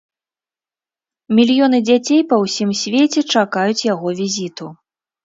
Мільёны дзяцей па ўсім свеце чакаюць яго візіту.